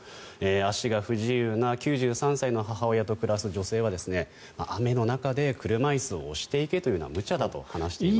足が不自由な９３歳の母親と暮らす女性は雨の中で車椅子を押して行けというのは無茶な話だと話しています。